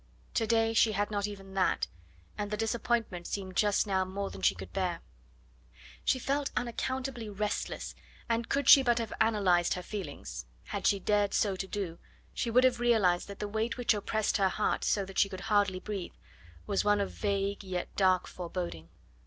To day she had not even that, and the disappointment seemed just now more than she could bear. She felt unaccountably restless, and could she but have analysed her feelings had she dared so to do she would have realised that the weight which oppressed her heart so that she could hardly breathe, was one of vague yet dark foreboding.